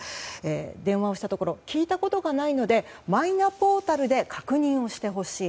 電話をしたところ聞いたことがないのでマイナポータルで確認をしてほしい。